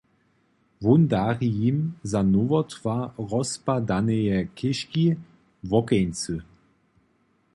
Wón dari jim za nowotwar rozpadaneje chěžki wokeńcy.